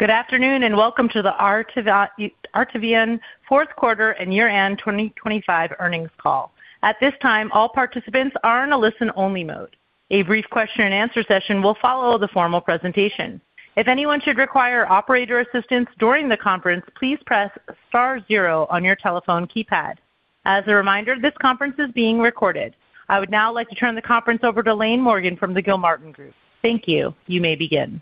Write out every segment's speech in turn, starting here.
Good afternoon, and welcome to the Artivion Q4 and Year-end 2025 Earnings Call. At this time, all participants are in a listen-only mode. A brief question and answer session will follow the formal presentation. If anyone should require operator assistance during the conference, please press star zero on your telephone keypad. As a reminder, this conference is being recorded. I would now like to turn the conference over to Lane Morgan from the Gilmartin Group. Thank you. You may begin.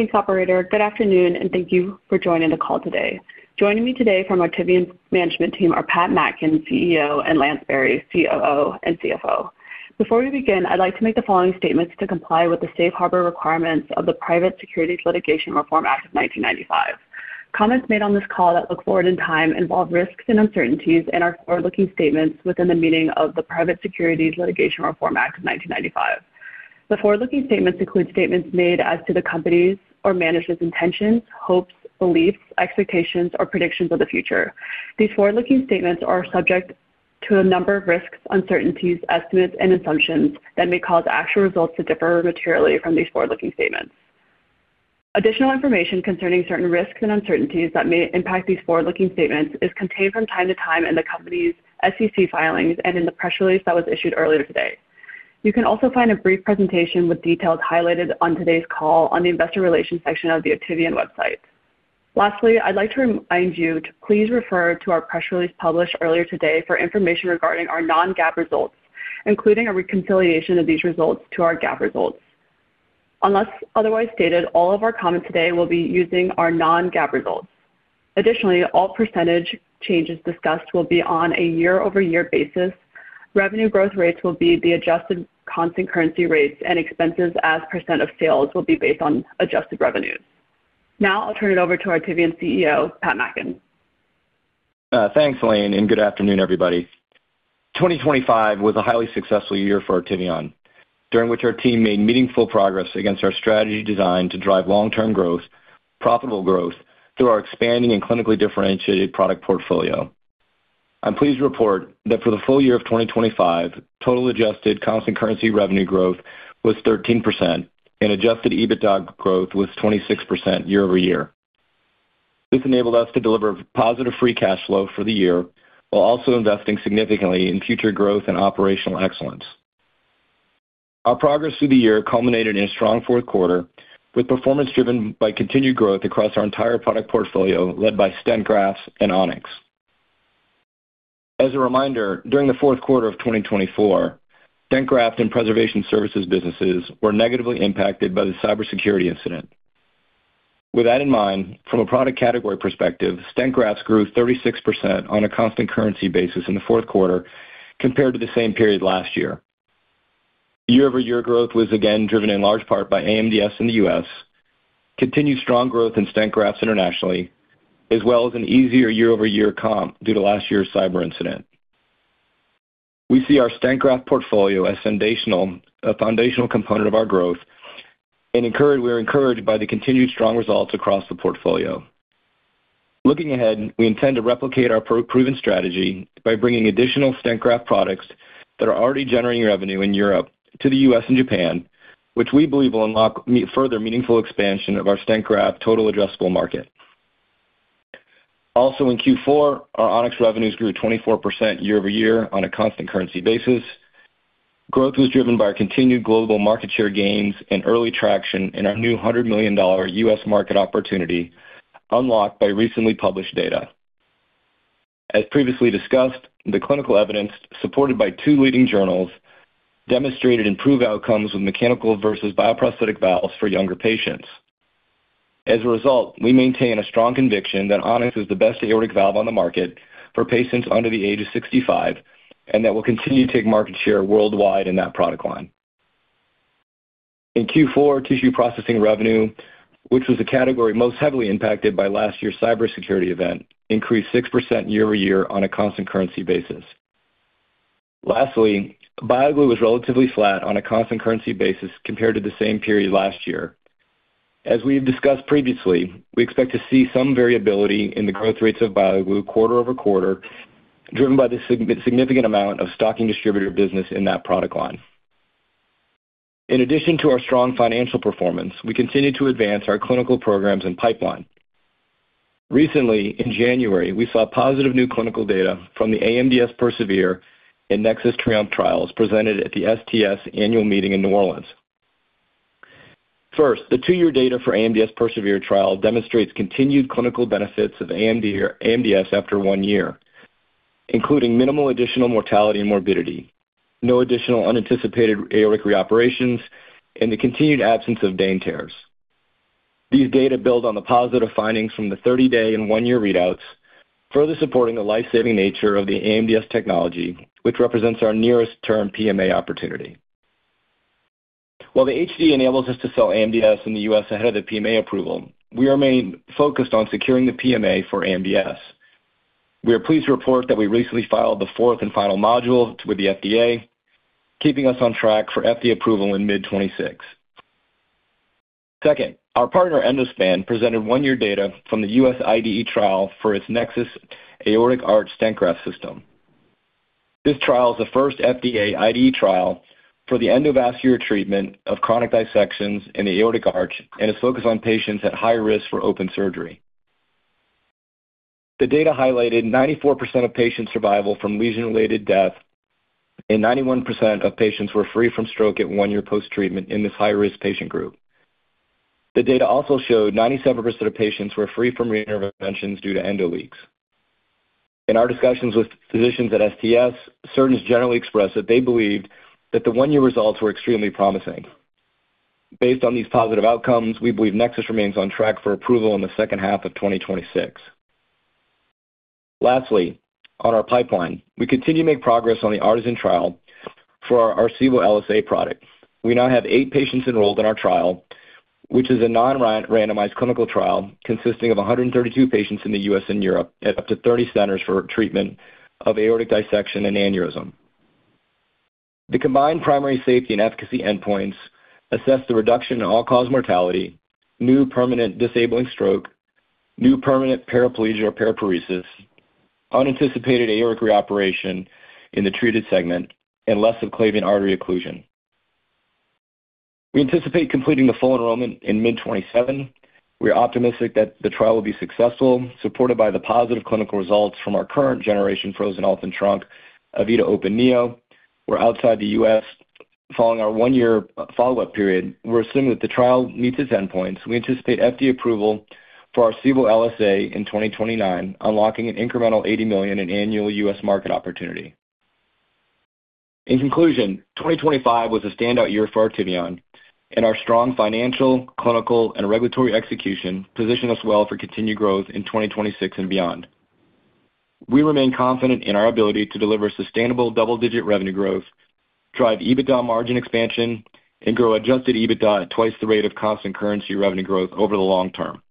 Thanks, operator. Good afternoon, and thank you for joining the call today. Joining me today from Artivion's management team are Pat Mackin, CEO, and Lance Berry, COO and CFO. Before we begin, I'd like to make the following statements to comply with the safe harbor requirements of the Private Securities Litigation Reform Act of 1995. Comments made on this call that look forward in time involve risks and uncertainties and are forward-looking statements within the meaning of the Private Securities Litigation Reform Act of 1995. The forward-looking statements include statements made as to the company's or management's intentions, hopes, beliefs, expectations, or predictions of the future. These forward-looking statements are subject to a number of risks, uncertainties, estimates, and assumptions that may cause actual results to differ materially from these forward-looking statements. Additional information concerning certain risks and uncertainties that may impact these forward-looking statements is contained from time to time in the company's SEC filings and in the press release that was issued earlier today. You can also find a brief presentation with details highlighted on today's call on the investor relations section of the Artivion website. Lastly, I'd like to remind you to please refer to our press release published earlier today for information regarding our non-GAAP results, including a reconciliation of these results to our GAAP results. Unless otherwise stated, all of our comments today will be using our non-GAAP results. Additionally, all percentage changes discussed will be on a year-over-year basis. Revenue growth rates will be the adjusted constant currency rates and expenses as percent of sales will be based on adjusted revenues. Now I'll turn it over to Artivion's CEO, Pat Mackin. Thanks, Lane, and good afternoon, everybody. 2025 was a highly successful year for Artivion, during which our team made meaningful progress against our strategy designed to drive long-term growth, profitable growth through our expanding and clinically differentiated product portfolio. I'm pleased to report that for the full year of 2025, total adjusted constant currency revenue growth was 13% and Adjusted EBITDA growth was 26% year-over-year. This enabled us to deliver positive free cash flow for the year, while also investing significantly in future growth and operational excellence. Our progress through the year culminated in a strong Q4, with performance driven by continued growth across our entire product portfolio, led by stent grafts and On-X. As a reminder, during the Q4 of 2024, stent graft and preservation services businesses were negatively impacted by the cybersecurity incident. With that in mind, from a product category perspective, stent grafts grew 36% on a constant currency basis in the Q4 compared to the same period last year. Year-over-year growth was again driven in large part by AMDS in the U.S., continued strong growth in stent grafts internationally, as well as an easier year-over-year comp due to last year's cyber incident. We see our stent graft portfolio as foundational, a foundational component of our growth and encouraged... We are encouraged by the continued strong results across the portfolio. Looking ahead, we intend to replicate our proven strategy by bringing additional stent graft products that are already generating revenue in Europe to the U.S. and Japan, which we believe will unlock further meaningful expansion of our stent graft total addressable market. Also in Q4, our On-X revenues grew 24% year-over-year on a constant currency basis. Growth was driven by our continued global market share gains and early traction in our new $100 million U.S. market opportunity, unlocked by recently published data. As previously discussed, the clinical evidence, supported by two leading journals, demonstrated improved outcomes with mechanical versus bioprosthetic valves for younger patients. As a result, we maintain a strong conviction that On-X is the best aortic valve on the market for patients under the age of 65 and that we'll continue to take market share worldwide in that product line. In Q4, tissue processing revenue, which was the category most heavily impacted by last year's cybersecurity event, increased 6% year-over-year on a constant currency basis. Lastly, BioGlue was relatively flat on a constant currency basis compared to the same period last year. As we have discussed previously, we expect to see some variability in the growth rates of BioGlue quarter over quarter, driven by the significant amount of stocking distributor business in that product line. In addition to our strong financial performance, we continue to advance our clinical programs and pipeline. Recently, in January, we saw positive new clinical data from the AMDS PERSEVERE and NEXUS TRIOMPHE trials presented at the STS annual meeting in New Orleans. First, the 2-year data for AMDS PERSEVERE trial demonstrates continued clinical benefits of AMD or AMDS after 1 year, including minimal additional mortality and morbidity, no additional unanticipated aortic reoperations, and the continued absence of de novo tears. These data build on the positive findings from the 30-day and 1-year readouts, further supporting the life-saving nature of the AMDS technology, which represents our nearest term PMA opportunity. While the HDE enables us to sell AMDS in the U.S. ahead of the PMA approval, we remain focused on securing the PMA for AMDS. We are pleased to report that we recently filed the fourth and final module with the FDA, keeping us on track for FDA approval in mid-2026. Second, our partner, Endospan, presented one-year data from the U.S. IDE trial for its NEXUS aortic arch stent graft system.... This trial is the first FDA IDE trial for the endovascular treatment of chronic dissections in the aortic arch, and is focused on patients at high risk for open surgery. The data highlighted 94% of patient survival from lesion-related death, and 91% of patients were free from stroke at one year post-treatment in this high-risk patient group. The data also showed 97% of patients were free from reinterventions due to endoleaks. In our discussions with physicians at STS, surgeons generally expressed that they believed that the 1-year results were extremely promising. Based on these positive outcomes, we believe Nexus remains on track for approval in the H2 of 2026. Lastly, on our pipeline, we continue to make progress on the ARTISAN trial for our ARCEVO LSA product. We now have 8 patients enrolled in our trial, which is a non-randomized clinical trial consisting of 132 patients in the U.S. and Europe at up to 30 centers for treatment of aortic dissection and aneurysm. The combined primary safety and efficacy endpoints assess the reduction in all-cause mortality, new permanent disabling stroke, new permanent paraplegia or paraparesis, unanticipated aortic reoperation in the treated segment, and left subclavian artery occlusion. We anticipate completing the full enrollment in mid-2027. We are optimistic that the trial will be successful, supported by the positive clinical results from our current generation frozen elephant trunk, E-vita Open NEO. We're outside the US following our one-year follow-up period. We're assuming that the trial meets its endpoints. We anticipate FDA approval for our CEVO LSA in 2029, unlocking an incremental $80 million in annual US market opportunity. In conclusion, 2025 was a standout year for Artivion, and our strong financial, clinical, and regulatory execution positioned us well for continued growth in 2026 and beyond. We remain confident in our ability to deliver sustainable double-digit revenue growth, drive EBITDA margin expansion, and grow adjusted EBITDA at twice the rate of constant currency revenue growth over the long term.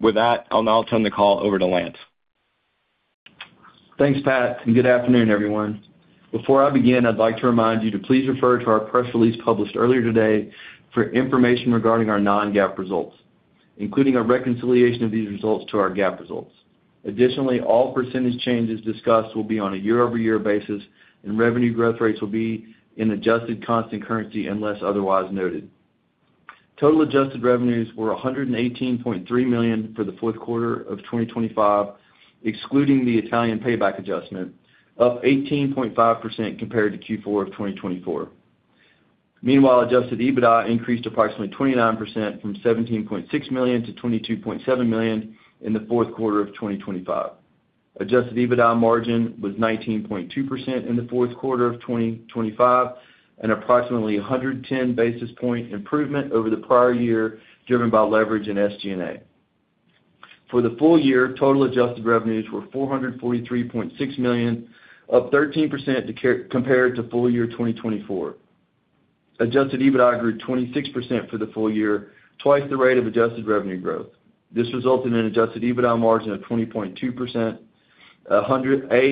With that, I'll now turn the call over to Lance. Thanks, Pat, and good afternoon, everyone. Before I begin, I'd like to remind you to please refer to our press release published earlier today for information regarding our non-GAAP results, including a reconciliation of these results to our GAAP results. Additionally, all percentage changes discussed will be on a year-over-year basis, and revenue growth rates will be in adjusted constant currency unless otherwise noted. Total adjusted revenues were $118.3 million for the Q4 of 2025, excluding the Italian payback adjustment, up 18.5% compared to Q4 of 2024. Meanwhile, adjusted EBITDA increased approximately 29% from $17.6 million to $22.7 million in the Q4 of 2025. Adjusted EBITDA margin was 19.2% in the Q4 of 2025, an approximately 110 basis point improvement over the prior year, driven by leverage and SG&A. For the full year, total adjusted revenues were $443.6 million, up 13% compared to full year 2024. Adjusted EBITDA grew 26% for the full year, twice the rate of adjusted revenue growth. This resulted in adjusted EBITDA margin of 20.2%, a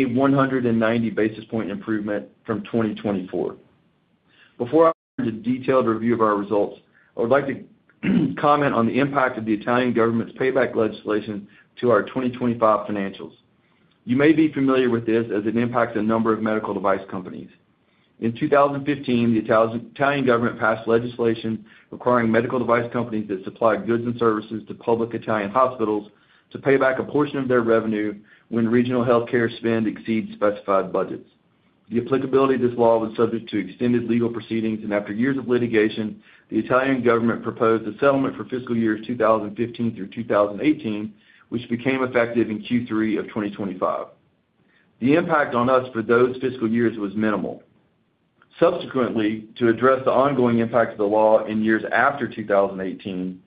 190 basis point improvement from 2024. Before I go into a detailed review of our results, I would like to comment on the impact of the Italian government's payback legislation to our 2025 financials. You may be familiar with this as it impacts a number of medical device companies. In 2015, the Italian government passed legislation requiring medical device companies that supply goods and services to public Italian hospitals to pay back a portion of their revenue when regional healthcare spend exceeds specified budgets. The applicability of this law was subject to extended legal proceedings, and after years of litigation, the Italian government proposed a settlement for fiscal years 2015 through 2018, which became effective in Q3 of 2025. The impact on us for those fiscal years was minimal. Subsequently, to address the ongoing impact of the law in years after 2018,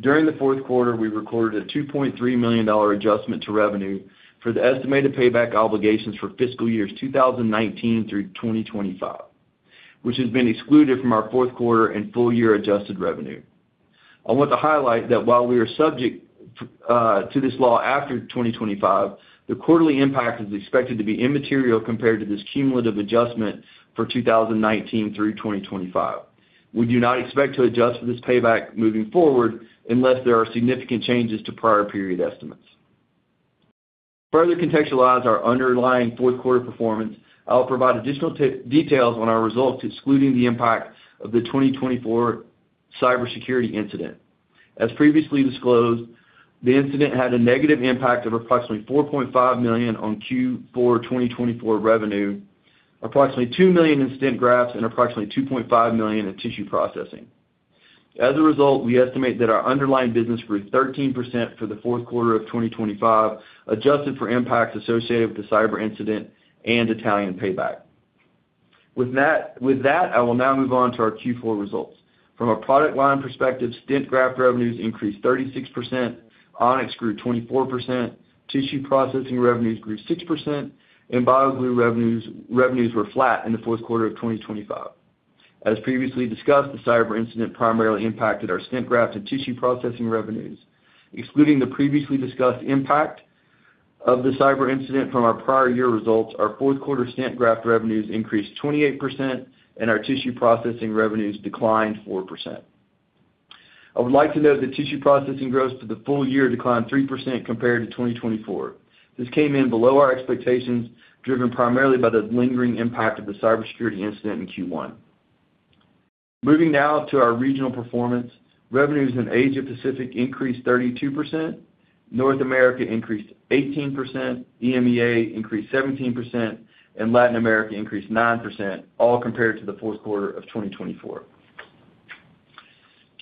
during the Q4, we recorded a $2.3 million adjustment to revenue for the estimated payback obligations for fiscal years 2019 through 2025, which has been excluded from our Q4 and full year adjusted revenue. I want to highlight that while we are subject to this law after 2025, the quarterly impact is expected to be immaterial compared to this cumulative adjustment for 2019 through 2025. We do not expect to adjust for this payback moving forward unless there are significant changes to prior period estimates. To further contextualize our underlying Q4 performance, I'll provide additional details on our results, excluding the impact of the 2024 cybersecurity incident. As previously disclosed, the incident had a negative impact of approximately $4.5 million on Q4 2024 revenue, approximately $2 million in stent grafts and approximately $2.5 million in tissue processing. As a result, we estimate that our underlying business grew 13% for the Q4 of 2025, adjusted for impacts associated with the cyber incident and Italian payback. With that, I will now move on to our Q4 results. From a product line perspective, stent graft revenues increased 36%, On-X grew 24%, tissue processing revenues grew 6%, and BioGlue revenues were flat in the Q4 of 2025. As previously discussed, the cyber incident primarily impacted our stent graft and tissue processing revenues. Excluding the previously discussed impact of the cyber incident from our prior year results, our Q4 stent graft revenues increased 28%, and our tissue processing revenues declined 4%. I would like to note that tissue processing gross for the full year declined 3% compared to 2024. This came in below our expectations, driven primarily by the lingering impact of the cybersecurity incident in Q1. Moving now to our regional performance. Revenues in Asia Pacific increased 32%, North America increased 18%, EMEA increased 17%, and Latin America increased 9%, all compared to the Q4 of 2024.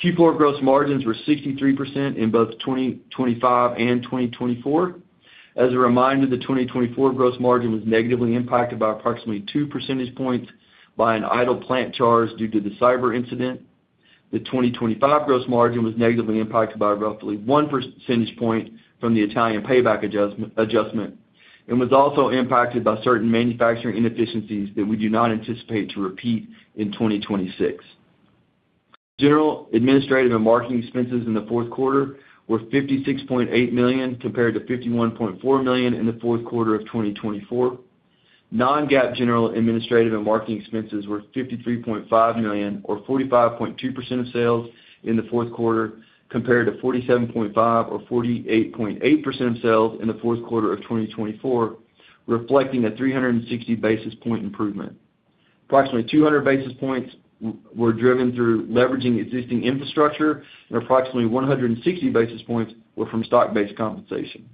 Q4 gross margins were 63% in both 2025 and 2024. As a reminder, the 2024 gross margin was negatively impacted by approximately 2 percentage points by an idle plant charge due to the cyber incident. The 2025 gross margin was negatively impacted by roughly 1 percentage point from the Italian payback adjustment, and was also impacted by certain manufacturing inefficiencies that we do not anticipate to repeat in 2026. General, administrative, and marketing expenses in the Q4 were $56.8 million, compared to $51.4 million in the Q4 of 2024. Non-GAAP general, administrative, and marketing expenses were $53.5 million, or 45.2% of sales in the Q4, compared to 47.5 or 48.8% of sales in the Q4 of 2024, reflecting a 360 basis point improvement. Approximately 200 basis points were driven through leveraging existing infrastructure, and approximately 160 basis points were from stock-based compensation.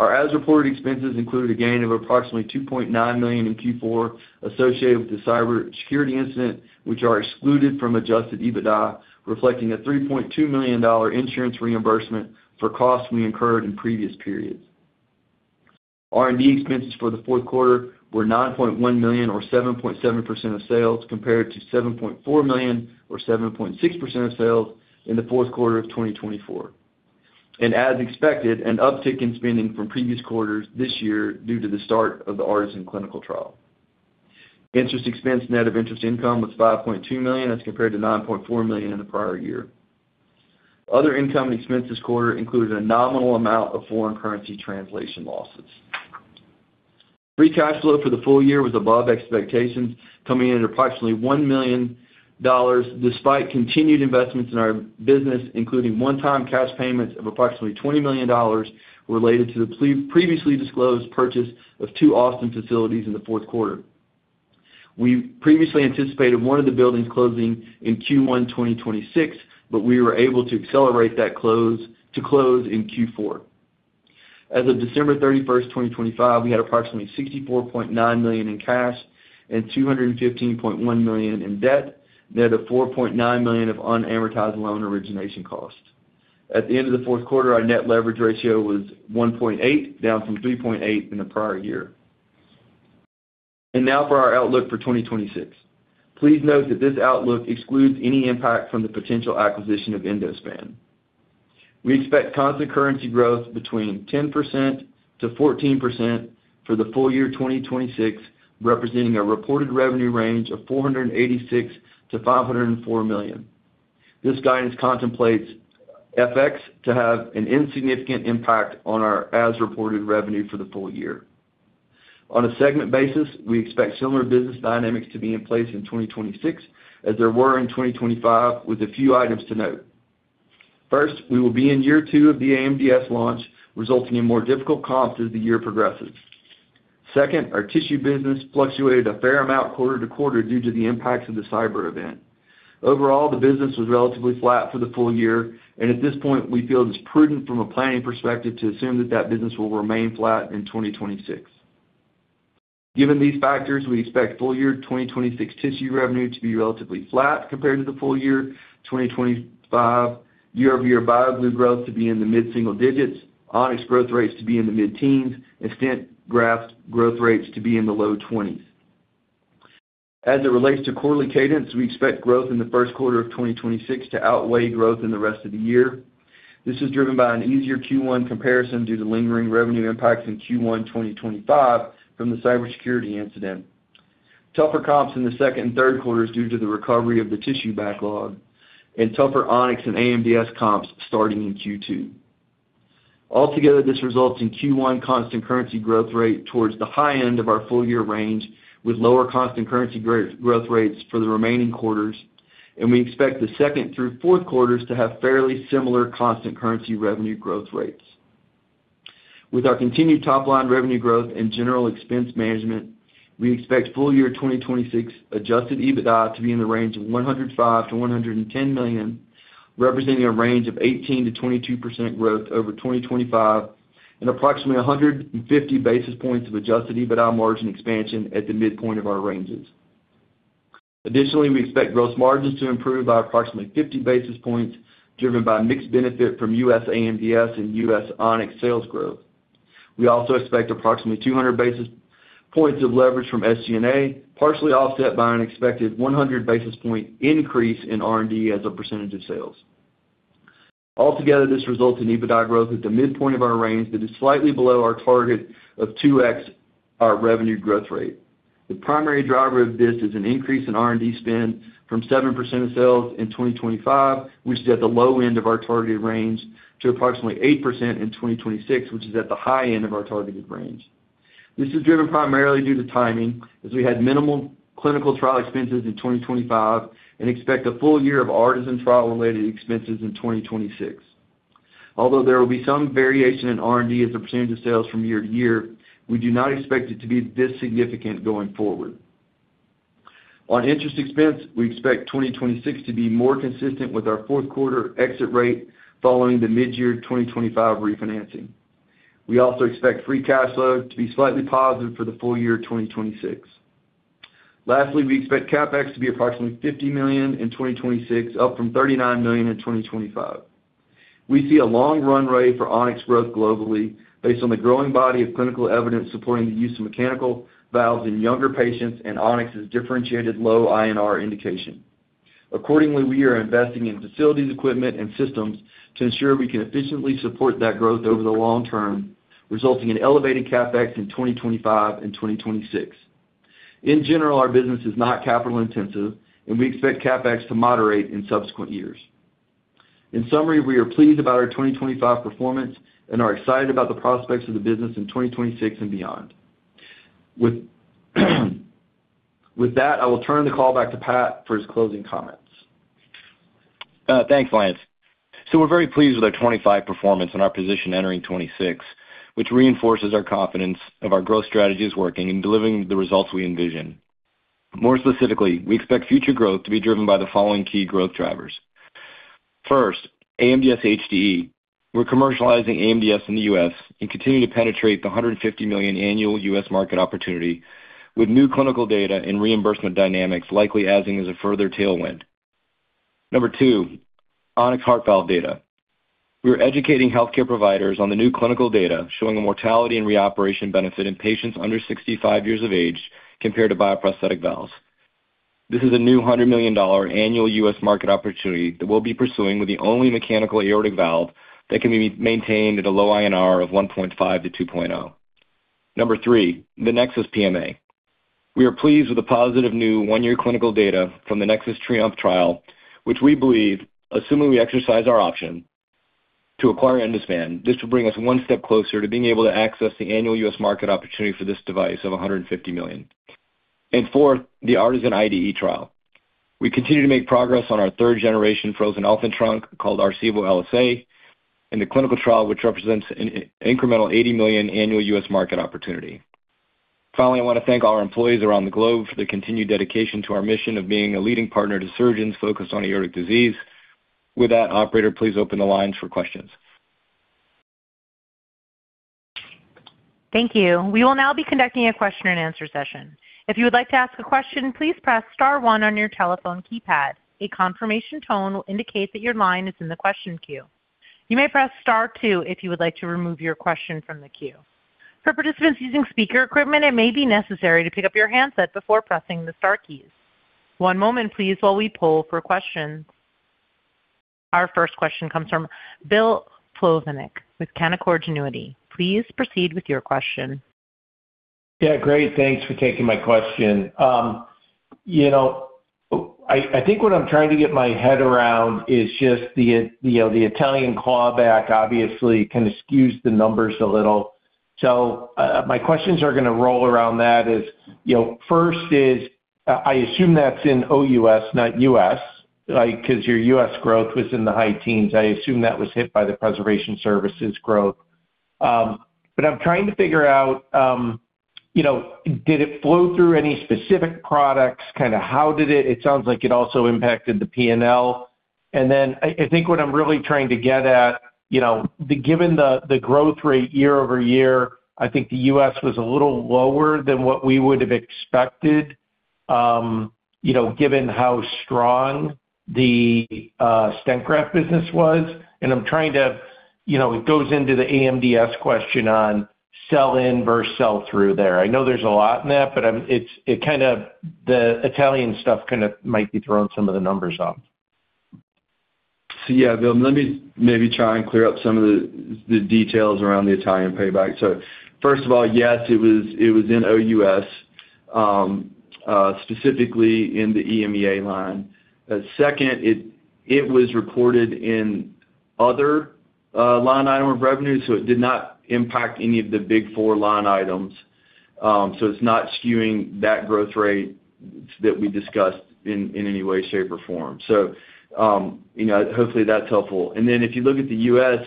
Our as-reported expenses included a gain of approximately $2.9 million in Q4 associated with the cybersecurity incident, which are excluded from adjusted EBITDA, reflecting a $3.2 million insurance reimbursement for costs we incurred in previous periods. R&D expenses for the Q4 were $9.1 million, or 7.7% of sales, compared to $7.4 million, or 7.6% of sales in the Q4 of 2024. As expected, an uptick in spending from previous quarters this year due to the start of the ARTISAN clinical trial. Interest expense net of interest income was $5.2 million, as compared to $9.4 million in the prior year. Other income and expense this quarter included a nominal amount of foreign currency translation losses. Free cash flow for the full year was above expectations, coming in at approximately $1 million, despite continued investments in our business, including one-time cash payments of approximately $20 million related to the previously disclosed purchase of two Austin facilities in the Q4. We previously anticipated one of the buildings closing in Q1 2026, but we were able to accelerate that close to close in Q4. As of December 31, 2025, we had approximately $64.9 million in cash and $215.1 million in debt, net of $4.9 million of unamortized loan origination costs. At the end of the Q4, our net leverage ratio was 1.8, down from 3.8 in the prior year. And now for our outlook for 2026. Please note that this outlook excludes any impact from the potential acquisition of Endospan. We expect constant currency growth between 10%-14% for the full year 2026, representing a reported revenue range of $486 million-$504 million. This guidance contemplates FX to have an insignificant impact on our as-reported revenue for the full year. On a segment basis, we expect similar business dynamics to be in place in 2026, as there were in 2025, with a few items to note. First, we will be in year two of the AMDS launch, resulting in more difficult comps as the year progresses. Second, our tissue business fluctuated a fair amount quarter to quarter due to the impacts of the cyber event. Overall, the business was relatively flat for the full year, and at this point, we feel it's prudent from a planning perspective to assume that that business will remain flat in 2026. Given these factors, we expect full year 2026 tissue revenue to be relatively flat compared to the full year 2025, year-over-year BioGlue growth to be in the mid-single digits, On-X growth rates to be in the mid-teens, stent graft growth rates to be in the low twenties. As it relates to quarterly cadence, we expect growth in the Q1 of 2026 to outweigh growth in the rest of the year. This is driven by an easier Q1 comparison due to lingering revenue impacts in Q1 2025 from the cybersecurity incident. Tougher comps in the second and Q3s due to the recovery of the tissue backlog, and tougher On-X and AMDS comps starting in Q2. Altogether, this results in Q1 constant currency growth rate towards the high end of our full year range, with lower constant currency growth rates for the remaining quarters, and we expect the second through Q4s to have fairly similar constant currency revenue growth rates. With our continued top-line revenue growth and general expense management, we expect full year 2026 adjusted EBITDA to be in the range of $105 million-$110 million, representing a range of 18%-22% growth over 2025, and approximately 150 basis points of adjusted EBITDA margin expansion at the midpoint of our ranges. Additionally, we expect gross margins to improve by approximately 50 basis points, driven by mix benefit from US AMDS and US On-X sales growth. We also expect approximately 200 basis points of leverage from SG&A, partially offset by an expected 100 basis point increase in R&D as a percentage of sales. Altogether, this results in EBITDA growth at the midpoint of our range that is slightly below our target of 2x, our revenue growth rate. The primary driver of this is an increase in R&D spend from 7% of sales in 2025, which is at the low end of our targeted range, to approximately 8% in 2026, which is at the high end of our targeted range.... This is driven primarily due to timing, as we had minimal clinical trial expenses in 2025 and expect a full year of ARTISAN trial-related expenses in 2026. Although there will be some variation in R&D as a percentage of sales from year to year, we do not expect it to be this significant going forward. On interest expense, we expect 2026 to be more consistent with our Q4 exit rate following the mid-year 2025 refinancing. We also expect free cash flow to be slightly positive for the full year 2026. Lastly, we expect CapEx to be approximately $50 million in 2026, up from $39 million in 2025. We see a long run rate for On-X growth globally, based on the growing body of clinical evidence supporting the use of mechanical valves in younger patients and On-X's differentiated low INR indication. Accordingly, we are investing in facilities, equipment, and systems to ensure we can efficiently support that growth over the long term, resulting in elevated CapEx in 2025 and 2026. In general, our business is not capital-intensive, and we expect CapEx to moderate in subsequent years. In summary, we are pleased about our 2025 performance and are excited about the prospects of the business in 2026 and beyond. With that, I will turn the call back to Pat for his closing comments. Thanks, Lance. So we're very pleased with our 2025 performance and our position entering 2026, which reinforces our confidence of our growth strategies working and delivering the results we envision. More specifically, we expect future growth to be driven by the following key growth drivers: First, AMDS HDE. We're commercializing AMDS in the US and continuing to penetrate the $150 million annual US market opportunity, with new clinical data and reimbursement dynamics likely adding as a further tailwind. Number two, On-X heart valve data. We are educating healthcare providers on the new clinical data, showing a mortality and reoperation benefit in patients under 65 years of age compared to bioprosthetic valves. This is a new $100 million annual US market opportunity that we'll be pursuing with the only mechanical aortic valve that can be maintained at a low INR of 1.5-2.0. Number three, the NEXUS PMA. We are pleased with the positive new 1-year clinical data from the NEXUS TRIOMPHE trial, which we believe, assuming we exercise our option to acquire Endospan, this will bring us one step closer to being able to access the annual US market opportunity for this device of $150 million. And fourth, the ARTISAN IDE trial. We continue to make progress on our third-generation frozen elephant trunk, called ARCEVO LSA, and the clinical trial, which represents an incremental $80 million annual US market opportunity. Finally, I want to thank all our employees around the globe for their continued dedication to our mission of being a leading partner to surgeons focused on aortic disease. With that, operator, please open the lines for questions. Thank you. We will now be conducting a question-and-answer session. If you would like to ask a question, please press star one on your telephone keypad. A confirmation tone will indicate that your line is in the question queue. You may press star two if you would like to remove your question from the queue. For participants using speaker equipment, it may be necessary to pick up your handset before pressing the star keys. One moment, please, while we poll for questions. Our first question comes from Bill Plovanic with Canaccord Genuity. Please proceed with your question. Yeah, great. Thanks for taking my question. You know, I think what I'm trying to get my head around is just the Italian clawback obviously kind of skews the numbers a little. So, my questions are going to roll around that. You know, first is, I assume that's in OUS, not US, like, because your US growth was in the high teens. I assume that was hit by the preservation services growth. But I'm trying to figure out, you know, did it flow through any specific products? Kind of, how did it. It sounds like it also impacted the P&L. And then I think what I'm really trying to get at, you know, given the growth rate year-over-year, I think the U.S. was a little lower than what we would have expected, you know, given how strong the stent graft business was. And I'm trying to... You know, it goes into the AMDS question on sell-in versus sell-through there. I know there's a lot in that, but, it kind of, the Italian stuff kind of might be throwing some of the numbers off. So yeah, Bill, let me maybe try and clear up some of the details around the Italian payback. So first of all, yes, it was in OUS, specifically in the EMEA line. Second, it was reported in other line item of revenue, so it did not impact any of the big four line items. So it's not skewing that growth rate that we discussed in any way, shape, or form. So, you know, hopefully that's helpful. And then if you look at the US,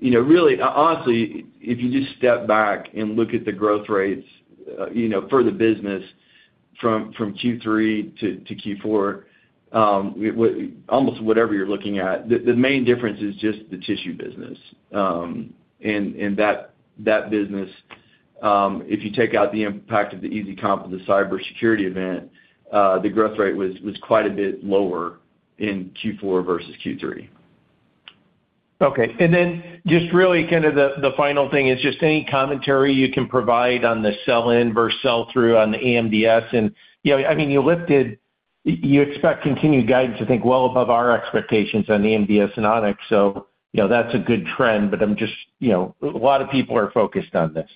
you know, really, honestly, if you just step back and look at the growth rates, you know, for the business from Q3 to Q4, almost whatever you're looking at, the main difference is just the tissue business. And that business, if you take out the impact of the easy comp, of the cybersecurity event, the growth rate was quite a bit lower in Q4 versus Q3. Okay. And then just really kind of the, the final thing is just any commentary you can provide on the sell-in versus sell-through on the AMDS. And, you know, I mean, you lifted-- you expect continued guidance, I think, well above our expectations on the AMDS and On-X. So, you know, that's a good trend, but I'm just, you know, a lot of people are focused on this....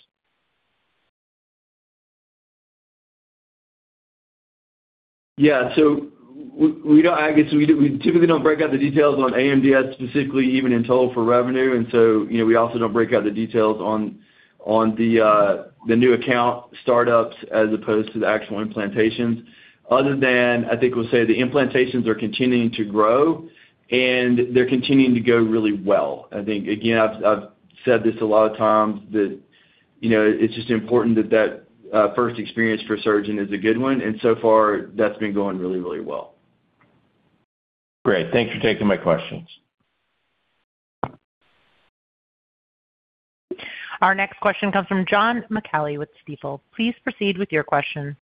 Yeah, so we, we don't, I guess we, we typically don't break out the details on AMDS, specifically even in total for revenue. And so, you know, we also don't break out the details on, on the new account startups as opposed to the actual implantations. Other than I think we'll say the implantations are continuing to grow, and they're continuing to go really well.I think, again, I've said this a lot of times that, you know, it's just important that first experience for a surgeon is a good one, and so far, that's been going really, really well. Great. Thanks for taking my questions. Our next question comes from John McCalley with Stifel. Please proceed with your question.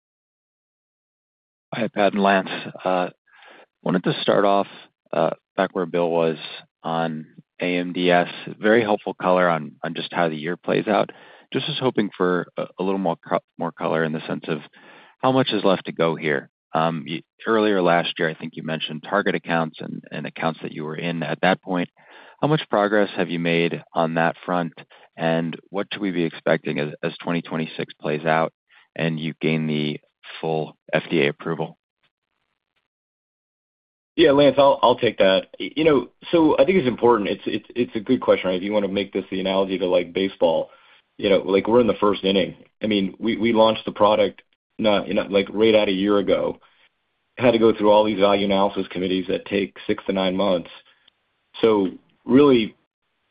Hi, Pat and Lance. Wanted to start off back where Bill was on AMDS. Very helpful color on just how the year plays out. Just was hoping for a little more color in the sense of how much is left to go here? Earlier last year, I think you mentioned target accounts and accounts that you were in at that point. How much progress have you made on that front? And what should we be expecting as 2026 plays out, and you gain the full FDA approval? Yeah, Lance, I'll take that. You know, so I think it's important. It's a good question, right? If you wanna make this the analogy to like baseball, you know, like we're in the first inning. I mean, we launched the product, not, you know, like right at a year ago. Had to go through all these value analysis committees that take 6-9 months. So really,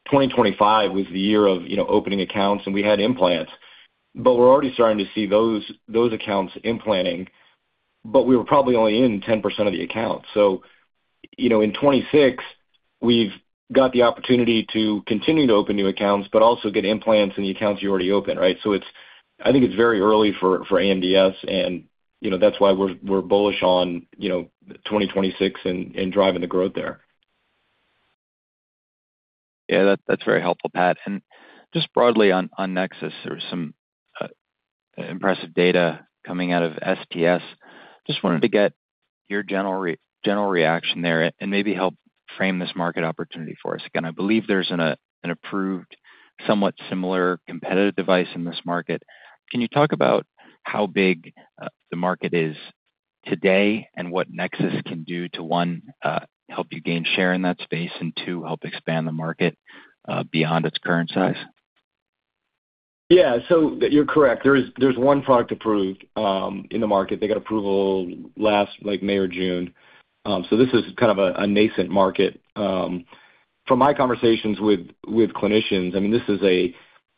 2025 was the year of, you know, opening accounts, and we had implants, but we're already starting to see those accounts implanting, but we were probably only in 10% of the accounts. So, you know, in 2026, we've got the opportunity to continue to open new accounts, but also get implants in the accounts you already opened, right? I think it's very early for AMDS, and you know, that's why we're bullish on you know, 2026 and driving the growth there. Yeah, that's very helpful, Pat. And just broadly on NEXUS, there was some impressive data coming out of STS. Just wanted to get your general reaction there and maybe help frame this market opportunity for us. Again, I believe there's an approved, somewhat similar competitive device in this market. Can you talk about how big the market is today and what NEXUS can do to one, help you gain share in that space, and two, help expand the market beyond its current size? Yeah. So you're correct. There's one product approved in the market. They got approval last, like, May or June. So this is kind of a nascent market. From my conversations with clinicians, I mean, this is a,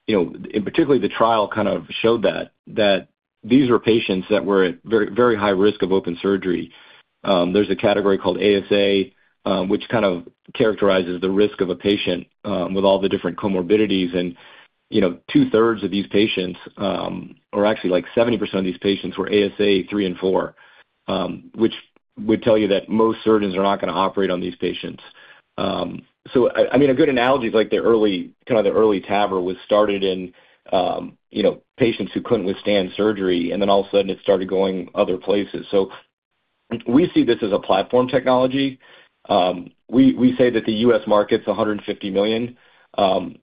you know, and particularly the trial kind of showed that these were patients that were at very, very high risk of open surgery. There's a category called ASA, which kind of characterizes the risk of a patient with all the different comorbidities. And, you know, two-thirds of these patients, or actually like 70% of these patients, were ASA III and IV, which would tell you that most surgeons are not gonna operate on these patients. I mean, a good analogy is like the early TAVR was started in, you know, patients who couldn't withstand surgery, and then all of a sudden it started going other places. So we see this as a platform technology. We say that the U.S. market's $150 million.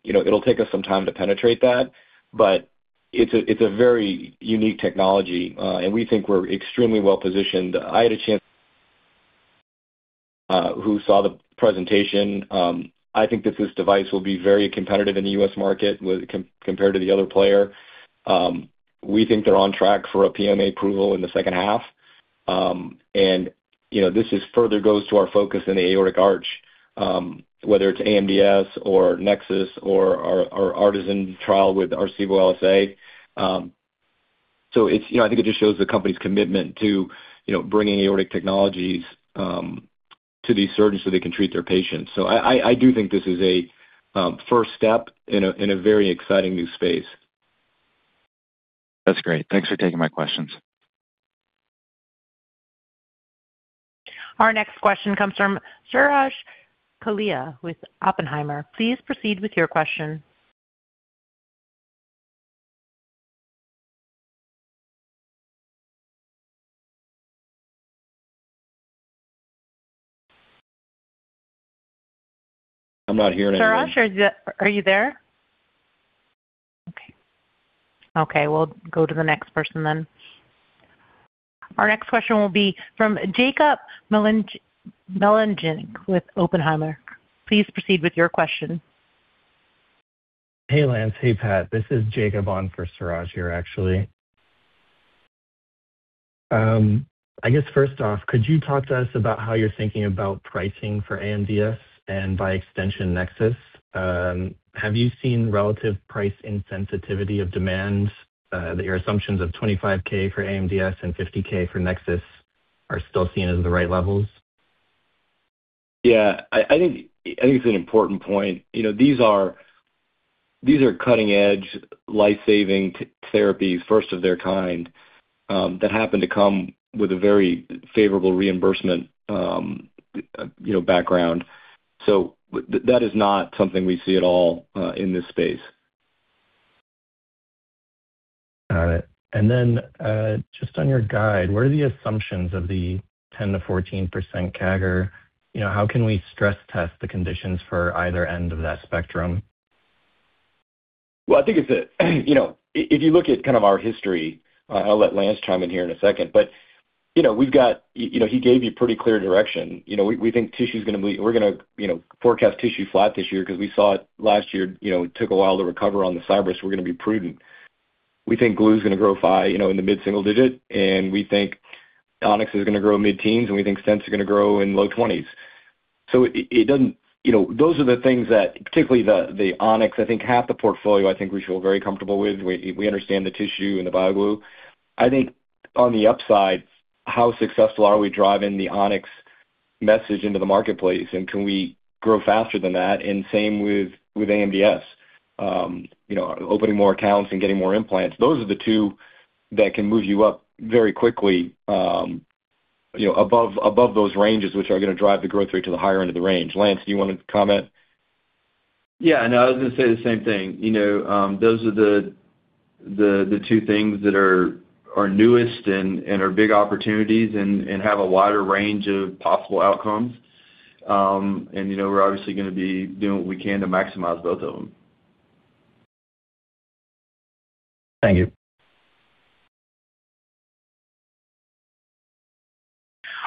You know, it'll take us some time to penetrate that, but it's a very unique technology, and we think we're extremely well positioned. I had a chance... who saw the presentation. I think that this device will be very competitive in the U.S. market compared to the other player. We think they're on track for a PMA approval in the H2. You know, this further goes to our focus in the aortic arch, whether it's AMDS or NEXUS or our ARTISAN trial with CEVO LSA. So it's, you know, I think it just shows the company's commitment to, you know, bringing aortic technologies to these surgeons so they can treat their patients. So I do think this is a first step in a very exciting new space. That's great. Thanks for taking my questions. Our next question comes from Suraj Kalia with Oppenheimer. Please proceed with your question. I'm not hearing anyone. Suraj, are you there? Okay. Okay, we'll go to the next person then. Our next question will be from Jacob Mellinger with Oppenheimer. Please proceed with your question. Hey, Lance. Hey, Pat. This is Jacob on for Suraj here, actually. I guess first off, could you talk to us about how you're thinking about pricing for AMDS and by extension, Nexus? Have you seen relative price insensitivity of demand, that your assumptions of $25K for AMDS and $50K for Nexus are still seen as the right levels? Yeah, I, I think, I think it's an important point. You know, these are, these are cutting-edge, life-saving therapies, first of their kind, that happen to come with a very favorable reimbursement, you know, background. So that is not something we see at all, in this space. Got it. And then, just on your guide, what are the assumptions of the 10%-14% CAGR? You know, how can we stress test the conditions for either end of that spectrum? ...Well, I think it's a, you know, if you look at kind of our history, I'll let Lance chime in here in a second. But, you know, we've got, you know, he gave you pretty clear direction. You know, we, we think tissue is gonna be-- we're gonna, you know, forecast tissue flat this year because we saw it last year, you know, it took a while to recover on the cyber, so we're gonna be prudent. We think glue is gonna grow five, you know, in the mid-single digit, and we think On-X is gonna grow mid-teens, and we think stents is gonna grow in low twenties. So it, it doesn't-- you know, those are the things that, particularly the, the On-X, I think half the portfolio, I think we feel very comfortable with. We, we understand the tissue and the BioGlue. I think on the upside, how successful are we driving the On-X message into the marketplace, and can we grow faster than that? And same with, with AMDS. You know, opening more accounts and getting more implants. Those are the two that can move you up very quickly, you know, above, above those ranges, which are gonna drive the growth rate to the higher end of the range. Lance, do you want to comment? Yeah, no, I was gonna say the same thing. You know, those are the two things that are newest and are big opportunities and have a wider range of possible outcomes. And, you know, we're obviously gonna be doing what we can to maximize both of them. Thank you.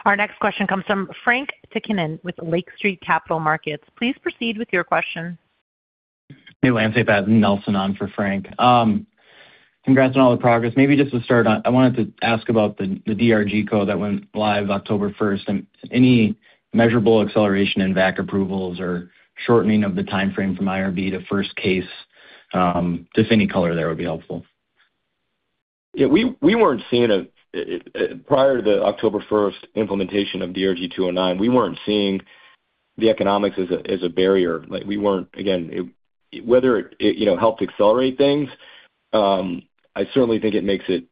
Our next question comes from Frank Takkinen with Lake Street Capital Markets. Please proceed with your question. Hey, Lance, hey, Pat, Nelson on for Frank. Congrats on all the progress. Maybe just to start on, I wanted to ask about the DRG code that went live October first, and any measurable acceleration in VAC approvals or shortening of the timeframe from IRB to first case. Just any color there would be helpful. Yeah, prior to the October first implementation of DRG 209, we weren't seeing the economics as a, as a barrier. Like, we weren't again, it, whether it, you know, helped accelerate things. I certainly think it makes it,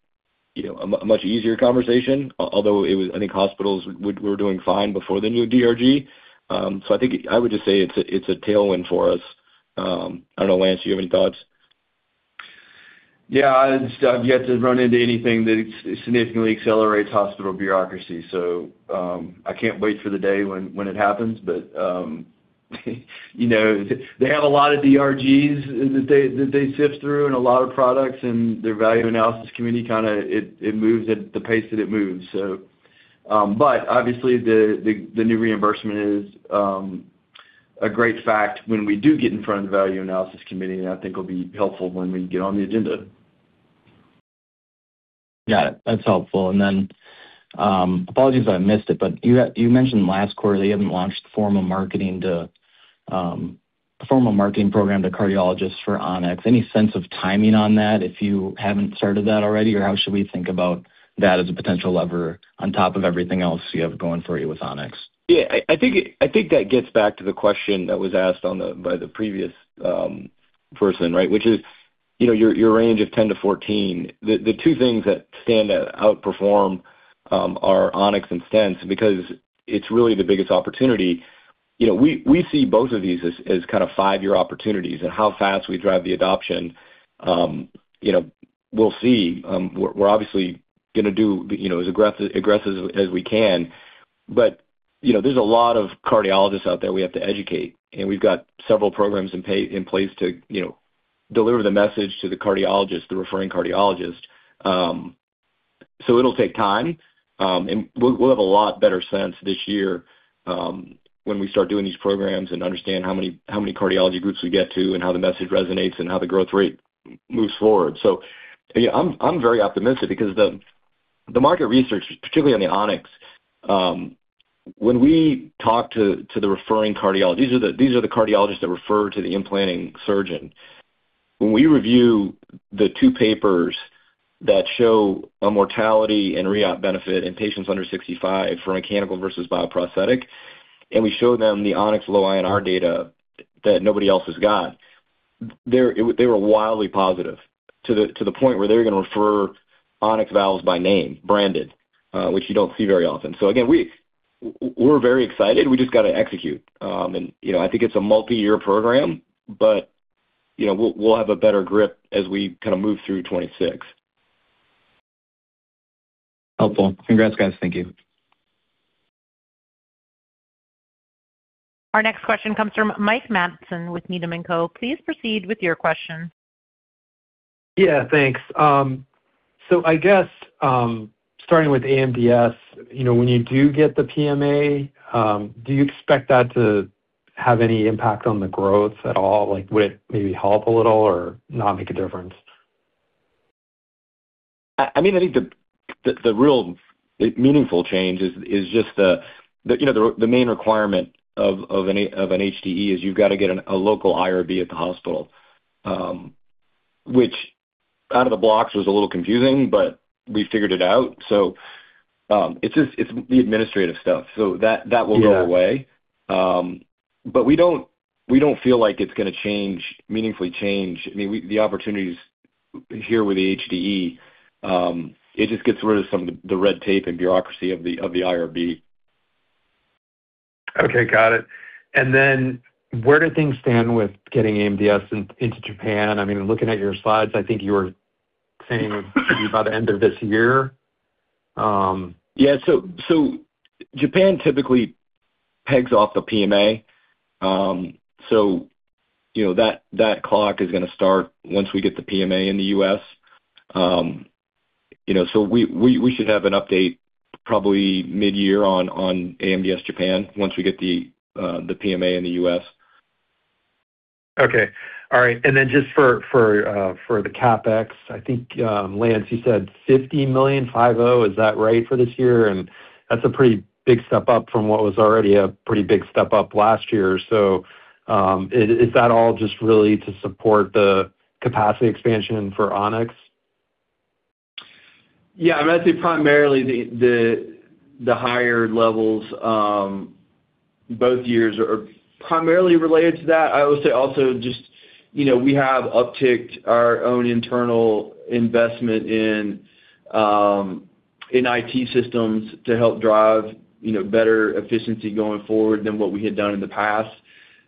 you know, a much easier conversation, although it was, I think, hospitals were doing fine before the new DRG. So I think I would just say it's a, it's a tailwind for us. I don't know, Lance, do you have any thoughts? Yeah, I've yet to run into anything that significantly accelerates hospital bureaucracy, so, I can't wait for the day when it happens. But, you know, they have a lot of DRGs that they sift through and a lot of products, and their value analysis committee kind of moves at the pace that it moves. So, but obviously, the new reimbursement is a great fact when we do get in front of the value analysis committee, and I think it'll be helpful when we get on the agenda. Got it. That's helpful. And then, apologies if I missed it, but you had—you mentioned last quarter that you haven't launched formal marketing to a formal marketing program to cardiologists for On-X. Any sense of timing on that, if you haven't started that already, or how should we think about that as a potential lever on top of everything else you have going for you with On-X? Yeah, I think that gets back to the question that was asked on the... by the previous person, right? Which is, you know, your range of 10-14. The two things that stand out, outperform, are On-X and stents, because it's really the biggest opportunity. You know, we see both of these as kind of five-year opportunities and how fast we drive the adoption, you know, we'll see. We're obviously gonna do, you know, as aggressive as we can. But, you know, there's a lot of cardiologists out there we have to educate, and we've got several programs in place to, you know, deliver the message to the cardiologist, the referring cardiologist. So it'll take time, and we'll, we'll have a lot better sense this year, when we start doing these programs and understand how many, how many cardiology groups we get to and how the message resonates and how the growth rate moves forward. So yeah, I'm, I'm very optimistic because the, the market research, particularly on the On-X, when we talk to, to the referring cardiologists, these are the, these are the cardiologists that refer to the implanting surgeon. When we review the 2 papers that show a mortality and reop benefit in patients under 65 for mechanical versus bioprosthetic, and we show them the On-X low INR data that nobody else has got, they're—they were wildly positive to the, to the point where they're gonna refer On-X valves by name, branded, which you don't see very often. So again, we're very excited. We just got to execute. And, you know, I think it's a multi-year program, but, you know, we'll, we'll have a better grip as we kind of move through 2026. Helpful. Congrats, guys. Thank you. Our next question comes from Mike Matson with Needham & Company. Please proceed with your question. Yeah, thanks. So I guess, starting with AMDS, you know, when you do get the PMA, do you expect that to have any impact on the growth at all? Like, would it maybe help a little or not make a difference? I mean, I think the real meaningful change is just the, you know, the main requirement of an HDE is you've got to get a local IRB at the hospital. Which out of the blocks was a little confusing, but we figured it out. So, it's just the administrative stuff. So that will go away. Yeah. But we don't feel like it's gonna change, meaningfully change. I mean, the opportunities here with the HDE, it just gets rid of some of the red tape and bureaucracy of the IRB. Okay, got it. And then where do things stand with getting AMDS in, into Japan? I mean, looking at your slides, I think you were saying by the end of this year?... Yeah, so, so Japan typically pegs off the PMA. So you know, that, that clock is gonna start once we get the PMA in the U.S. You know, so we, we, we should have an update probably mid-year on, on AMDS Japan once we get the, the PMA in the U.S. Okay, all right. And then just for the CapEx, I think, Lance, you said $50 million, is that right, for this year? And that's a pretty big step up from what was already a pretty big step up last year. So, is that all just really to support the capacity expansion for On-X? Yeah, I mean, I'd say primarily the higher levels both years are primarily related to that. I would say also just, you know, we have upticked our own internal investment in IT systems to help drive, you know, better efficiency going forward than what we had done in the past.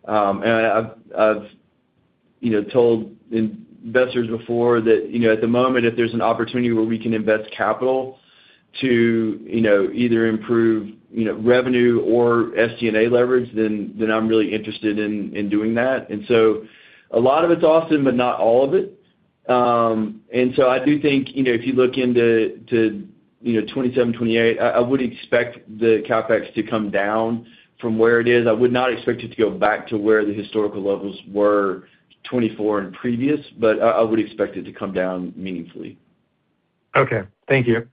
And I've, you know, told investors before that, you know, at the moment, if there's an opportunity where we can invest capital to, you know, either improve, you know, revenue or SG&A leverage, then I'm really interested in doing that. And so a lot of it's Austin, but not all of it. And so I do think, you know, if you look into 2027, 2028, I would expect the CapEx to come down from where it is. I would not expect it to go back to where the historical levels were 24 and previous, but I would expect it to come down meaningfully. Okay. Thank you.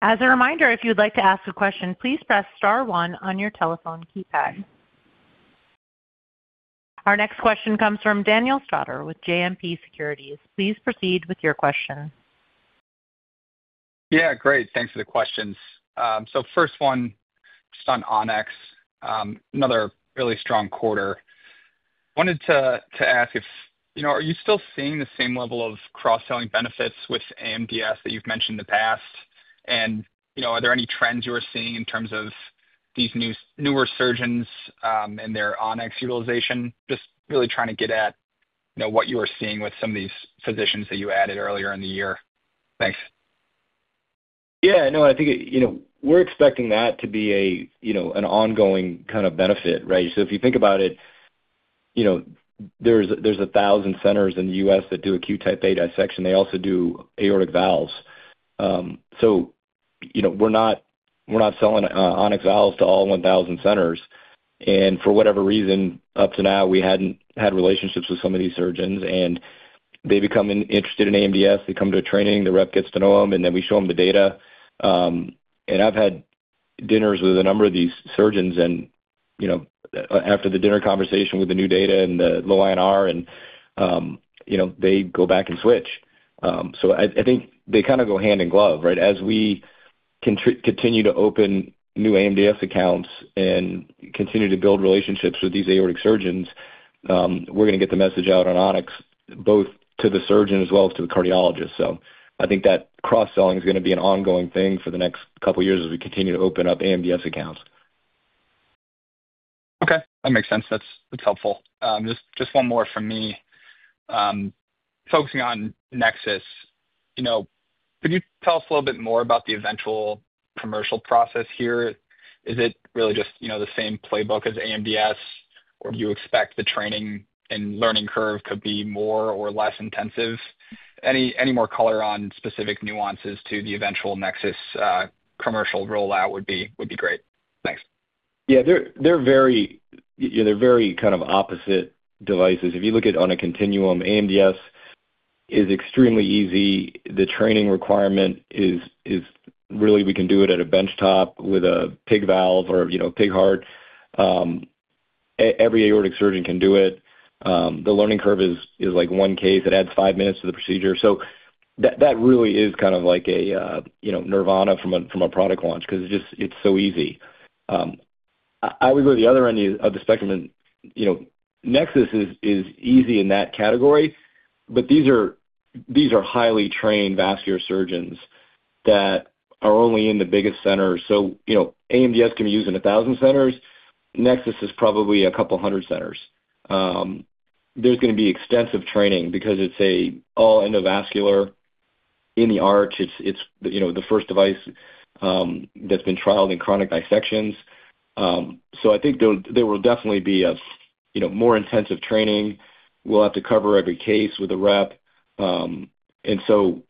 As a reminder, if you'd like to ask a question, please press star one on your telephone keypad. Our next question comes from Daniel Stauder with JMP Securities. Please proceed with your question. Yeah, great, thanks for the questions. So first one, just on On-X, another really strong quarter. Wanted to ask if, you know, are you still seeing the same level of cross-selling benefits with AMDS that you've mentioned in the past? And, you know, are there any trends you are seeing in terms of these new, newer surgeons, and their On-X utilization? Just really trying to get at, you know, what you are seeing with some of these physicians that you added earlier in the year. Thanks. Yeah, no, I think, you know, we're expecting that to be a, you know, an ongoing kind of benefit, right? So if you think about it, you know, there's 1,000 centers in the U.S. that do acute Type A dissection. They also do aortic valves. So you know, we're not selling On-X valves to all 1,000 centers, and for whatever reason, up to now, we hadn't had relationships with some of these surgeons. And they become interested in AMDS, they come to a training, the rep gets to know them, and then we show them the data. And I've had dinners with a number of these surgeons and, you know, after the dinner conversation with the new data and the low INR and, you know, they go back and switch. So I think they kind of go hand in glove, right? As we continue to open new AMDS accounts and continue to build relationships with these aortic surgeons, we're gonna get the message out on On-X, both to the surgeon as well as to the cardiologist. So I think that cross-selling is gonna be an ongoing thing for the next couple of years as we continue to open up AMDS accounts. Okay, that makes sense. That's, that's helpful. Just, just one more from me. Focusing on NEXUS, you know, could you tell us a little bit more about the eventual commercial process here? Is it really just, you know, the same playbook as AMDS, or do you expect the training and learning curve to be more or less intensive? Any, any more color on specific nuances to the eventual NEXUS commercial rollout would be, would be great. Thanks. Yeah, they're very, you know, they're very kind of opposite devices. If you look at on a continuum, AMDS is extremely easy. The training requirement is really, we can do it at a benchtop with a pig valve or, you know, a pig heart. Every aortic surgeon can do it. The learning curve is like one case. It adds five minutes to the procedure. So that really is kind of like a, you know, nirvana from a, from a product launch because it's just, it's so easy. I would go to the other end of the spectrum. You know, Nexus is easy in that category, but these are highly trained vascular surgeons that are only in the biggest centers. So, you know, AMDS can be used in 1,000 centers. Nexus is probably a couple hundred centers. There's gonna be extensive training because it's all endovascular in the arch. It's, you know, the first device that's been trialed in chronic dissections. So I think there will definitely be a, you know, more intensive training. We'll have to cover every case with a rep. And so,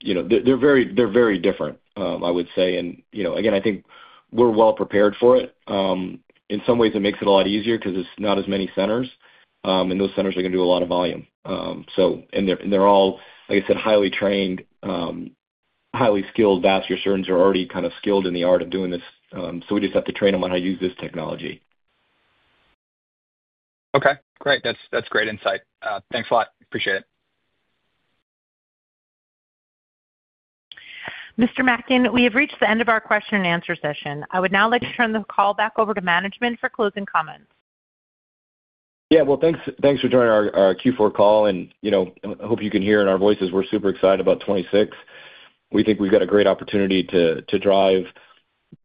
you know, they're very different, I would say. And, you know, again, I think we're well prepared for it. In some ways, it makes it a lot easier because it's not as many centers, and those centers are gonna do a lot of volume. So and they're all, like I said, highly trained, highly skilled vascular surgeons are already kind of skilled in the art of doing this, so we just have to train them on how to use this technology. Okay, great. That's, that's great insight. Thanks a lot. Appreciate it. Mr. Mackin, we have reached the end of our question and answer session. I would now like to turn the call back over to management for closing comments. Yeah, well, thanks, thanks for joining our Q4 call, and, you know, I hope you can hear in our voices we're super excited about 2026. We think we've got a great opportunity to drive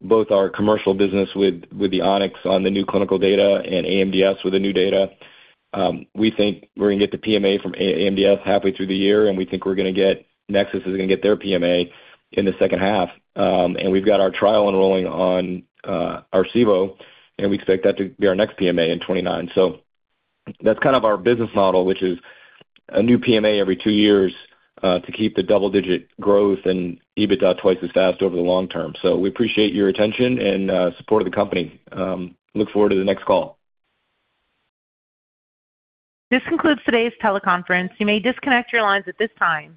both our commercial business with the On-X on the new clinical data and AMDS with the new data. We think we're gonna get the PMA from AMDS halfway through the year, and we think we're gonna get NEXUS is gonna get their PMA in the H2. And we've got our trial enrolling on our CEVO, and we expect that to be our next PMA in 2029. So that's kind of our business model, which is a new PMA every two years to keep the double-digit growth and EBITDA twice as fast over the long term. So we appreciate your attention and support of the company. Look forward to the next call. This concludes today's teleconference. You may disconnect your lines at this time.